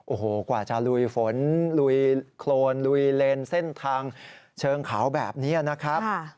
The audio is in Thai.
โอ้โหกว่าจะลุยฝนลุยโครนลุยเลนเส้นทางเชิงเขาแบบนี้นะครับ